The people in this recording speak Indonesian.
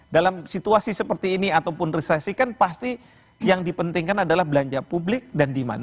dalam situasi seperti ini ataupun resesi kan pasti yang dipentingkan adalah belanja publik dan demand